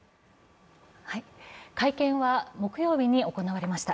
会見は木曜日に行われました。